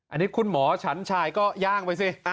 อันนี้คุณหมอฉันชายก็ย่างไปสิ